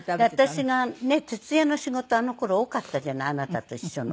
私がねっ徹夜の仕事あの頃多かったじゃないあなたと一緒の。